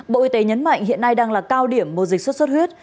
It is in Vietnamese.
bộ y tế nhấn mạnh hiện nay đang là cao điểm mô dịch sốt huyết